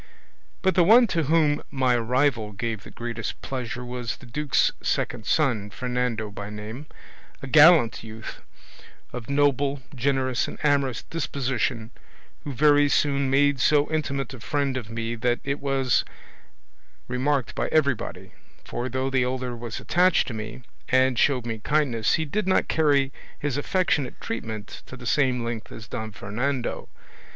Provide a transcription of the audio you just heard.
But the one to whom my arrival gave the greatest pleasure was the duke's second son, Fernando by name, a gallant youth, of noble, generous, and amorous disposition, who very soon made so intimate a friend of me that it was remarked by everybody; for though the elder was attached to me, and showed me kindness, he did not carry his affectionate treatment to the same length as Don Fernando.